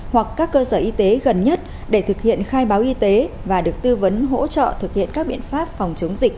hoặc các cơ sở y tế gần nhất để thực hiện khai báo y tế và được tư vấn hỗ trợ thực hiện các biện pháp phòng chống dịch